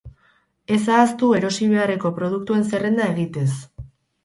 Ez ahaztu erosi beharreko produktuen zerrenda egitez.